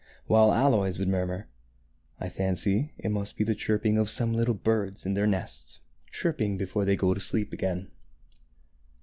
" while Aloys would murmur, " I fancy it must be the chirping of some little birds in their nest, chirping before they go to sleep again."